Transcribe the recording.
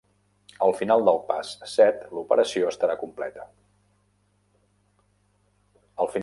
Al final del pas set, l'operació estarà completa.